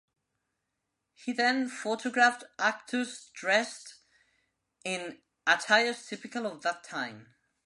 He then photographed actors dressed in attires typical of that time.